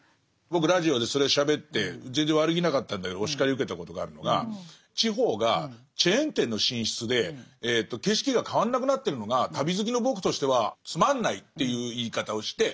僕ラジオでそれをしゃべって全然悪気なかったんだけどお叱り受けたことがあるのが地方がチェーン店の進出で景色が変わんなくなってるのが旅好きの僕としてはつまんないっていう言い方をして。